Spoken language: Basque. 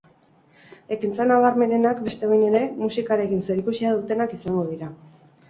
Ekintza nabarmenenak, beste behin ere, musikarekin zerikusia dutenak izango dira.